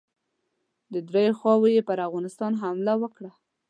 د دریو خواوو یې پر افغانستان حمله وکړه.